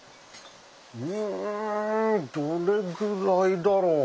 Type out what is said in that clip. うんどれぐらいだろう？